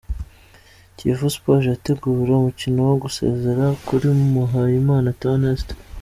Kiyovu Sport irategura umukino wo gusezera kuri Muhayimana Theoneste.